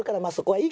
いい！